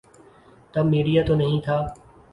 تب میڈیا تو نہیں تھا۔